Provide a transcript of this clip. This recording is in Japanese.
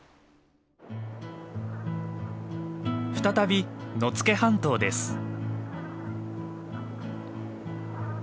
再び野付半島です。